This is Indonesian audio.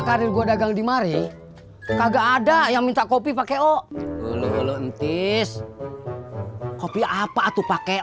karir gua dagang di mari kagak ada yang minta kopi pakai oh lululun tis kopi apa tuh pakai